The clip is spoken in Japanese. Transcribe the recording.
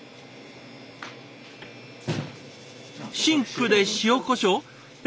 シンクで塩こしょうえ？